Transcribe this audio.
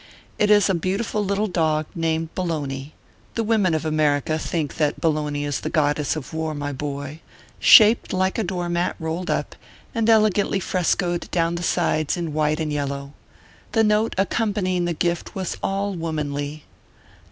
It is a beautiful little dog, named Bologna (the women of America think that Bologna is the goddess of war, my boy), shaped like a door mat rolled up, and elegantly frescoed down the sides in white and yellow. The note accompanying the gift was all womanly.